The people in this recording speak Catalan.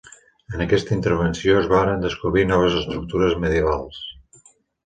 En aquesta intervenció es varen descobrir noves estructures medievals.